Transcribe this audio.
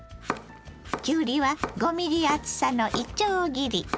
きゅうりは５ｍｍ厚さのいちょう切り。